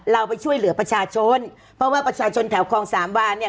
เราไปช่วยเหลือประชาชนเพราะว่าประชาชนแถวคลองสามวานเนี่ย